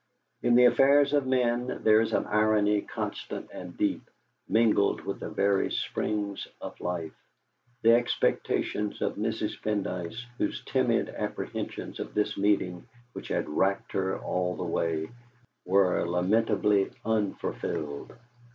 In the affairs of men there is an irony constant and deep, mingled with the very springs of life. The expectations of Mrs. Pendyce, those timid apprehensions of this meeting which had racked her all the way, were lamentably unfulfilled.